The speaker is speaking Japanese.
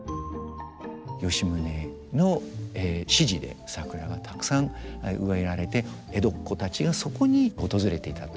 吉宗の指示で桜がたくさん植えられて江戸っ子たちがそこに訪れていたということが。